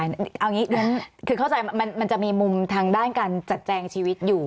เอาอย่างนี้คือเข้าใจมันจะมีมุมทางด้านการจัดแจงชีวิตอยู่